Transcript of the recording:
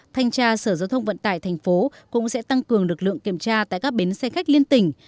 thanh tra sở giao thông vận tải tp hcm cũng sẽ tăng cường lực lượng kiểm tra tại các bến xe khách liên tình